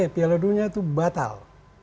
piala dunia itu batal